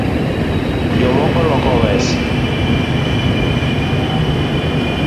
Jo moko Loko wes